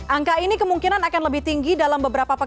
angka ini kemungkinan akan lebih tinggi dalam beberapa pekan